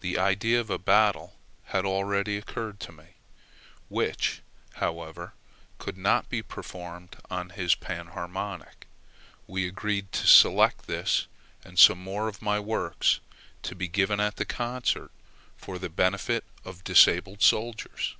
The idea of a battle had already occurred to me, which, however, could not be performed on his panharmonica. We agreed to select this and some more of my works [see No. 116] to be given at the concert for the benefit of disabled soldiers.